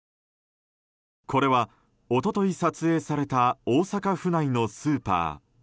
これは、一昨日撮影された大阪府内のスーパー。